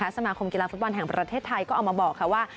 สมาคมกีฬาฟุตบอลแห่งประเทศไทยก็เอามาบอกค่ะว่า